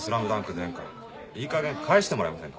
全巻いいかげん返してもらえませんか？